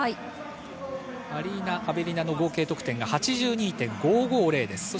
アリーナ・アベリナの合計得点８２．５５０です。